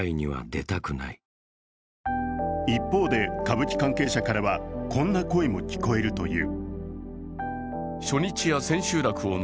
一方で歌舞伎関係者からはこんな声も聞こえるという。